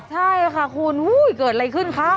ใช่ค่ะคุณเกิดอะไรขึ้นคะ